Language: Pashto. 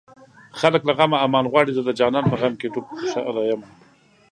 خلک له غمه امان غواړي زه د جانان په غم کې ډوب خوشاله يمه